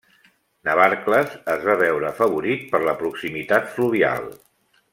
Navarcles es va veure afavorit per la proximitat fluvial.